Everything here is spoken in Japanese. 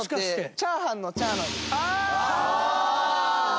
チャーハンの「チャー」！